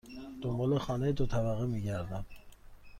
دنبال خانه دو طبقه می گردم.